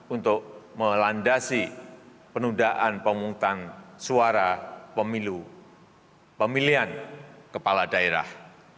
untuk melandasi penundaan pemungutan suara pemilihan kepala daerah